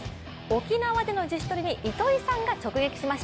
沖縄での自主トレに糸井さんが直撃しました。